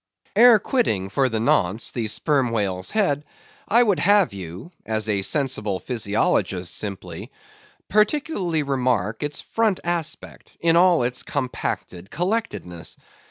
Ere quitting, for the nonce, the Sperm Whale's head, I would have you, as a sensible physiologist, simply—particularly remark its front aspect, in all its compacted collectedness.